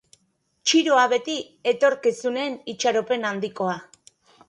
Txiroa beti etorkizunen itxaropen handikoa.